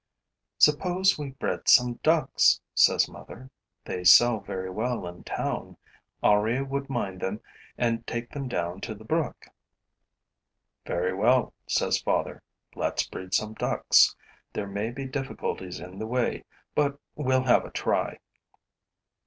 "Suppose we bred some ducks," says mother. "They sell very well in town. Henri would mind them and take them down to the brook." "Very well," says father, "let's breed some ducks. There may be difficulties in the way; but we'll have a try."